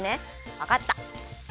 わかった！